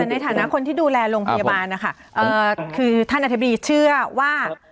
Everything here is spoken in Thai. ในฐานะคนที่ดูแลโรงพยาบาลนะคะคือท่านอธิบดีเชื่อว่า